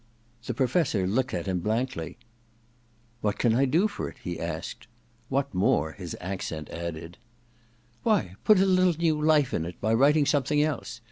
* The Professor looked at him blankly. * V^Hiat can I do for it ?' he asked —* what more ' his accent added. * Why, put a little new life in it by writing something else.